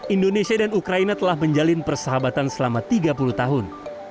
indonesia dan ukraina telah menjalin persahabatan selama tiga puluh tahun